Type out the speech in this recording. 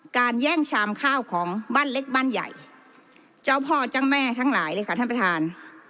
แย่งชามข้าวของบ้านเล็กบ้านใหญ่เจ้าพ่อเจ้าแม่ทั้งหลายเลยค่ะท่านประธาน